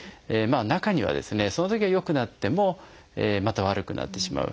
中にはそのときは良くなってもまた悪くなってしまう。